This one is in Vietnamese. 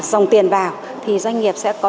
dòng tiền vào thì doanh nghiệp sẽ có